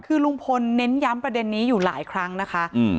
คือลุงพลเน้นย้ำประเด็นนี้อยู่หลายครั้งนะคะ